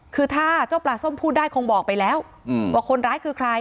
คือถ้าเจ้าปลาส้มพูดได้คงบอกไปแล้วว่าคนร้ายคือใคร